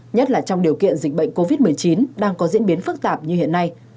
nhất là trong điều kiện dịch bệnh covid một mươi chín đang có diễn biến phức tạp như hiện nay